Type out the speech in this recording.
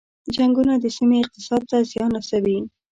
جنګونه د سیمې اقتصاد ته زیان رسوي.